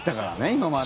今まで。